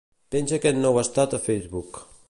Penja aquest nou estat a Facebook.